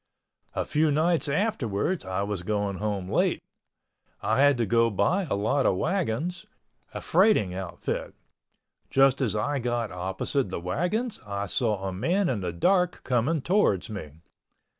A few nights afterwards I was going home late. I had to go by a lot of wagons—a freighting outfit. Just as I got opposite the wagons I saw a man in the dark coming towards me.